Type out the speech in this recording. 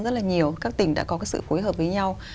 rất là nhiều các tỉnh đã có cái sự phối hợp với nhau